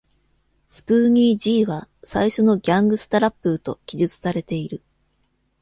スプーニー・ジーは「最初のギャングスタ・ラップー」と記述されている。